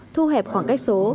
thu hẹp khoảng cách số